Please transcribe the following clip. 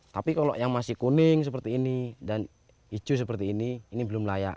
tapi kalau yang masih kuning seperti ini dan hijau seperti ini ini belum layak